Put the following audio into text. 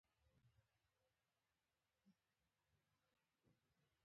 فشار د هوا له وزن څخه منځته راځي.